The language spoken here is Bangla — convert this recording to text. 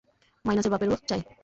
মাইনাসের বাপেরও চাই।